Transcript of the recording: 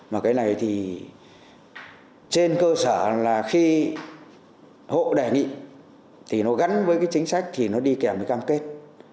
mà cái này thì trên cơ sở là khi hộ đề nghị thì nó gắn với cái chính sách thì nó đi kèm với cam kết